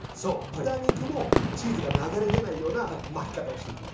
豚肉もチーズが流れ出ないような巻き方をしていきます。